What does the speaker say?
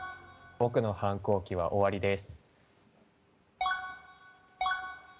僕の反抗期は終わりです。